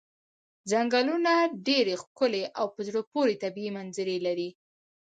څنګلونه ډېرې ښکلې او په زړه پورې طبیعي منظرې لري.